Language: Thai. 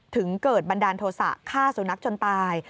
ถึงเกิดบันดาลโทษะฆ่าสุนัขจนตาย